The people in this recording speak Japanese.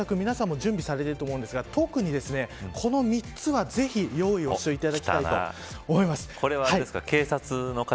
皆さんも準備されていると思いますが特に、この３つはぜひ用意をしていただきたいとこれはあれですか。